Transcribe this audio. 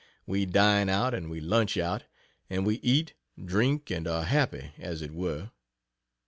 We dine out and we lunch out, and we eat, drink and are happy as it were.